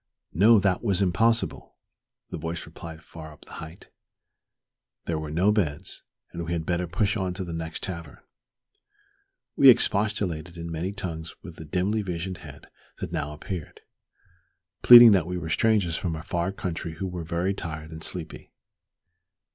No, that was impossible, "the voice replied far up the height;" there were no beds, and we had better push on to the next tavern. We expostulated in many tongues with the dimly visioned head that now appeared, pleading that we were strangers from a far country who were very tired and sleepy.